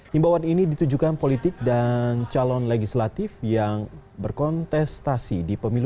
himbawan ini ditujukan politik dan calon legislatif yang berkontestasi di pemilu dua ribu sembilan belas